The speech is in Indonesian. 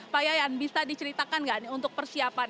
pak yayan bisa diceritakan nggak untuk persiapan